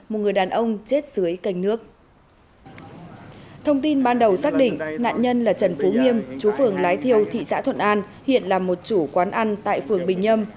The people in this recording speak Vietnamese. ông nghiêm chú phường lái thiêu thị xã thuận an hiện là một chủ quán ăn tại phường bình nhâm